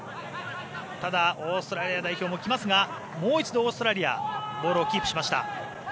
ただ、オーストラリア代表も来ますがもう一度、オーストラリアボールをキープしました。